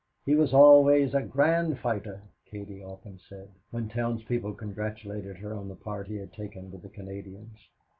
He was always a "grand fighter," Katie often said, when townspeople congratulated her on the part he had taken with the Canadians.